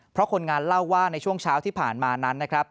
เพราะคนงานเล่าว่าในช่วงเช้าที่ผ่านมานั้นนะครับ